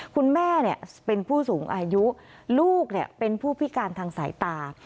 คุณแม่เป็นผู้สูงอายุลูกเป็นผู้พิการทางสายตา